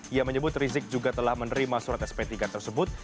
ia menyebut rizik juga telah menerima surat sp tiga tersebut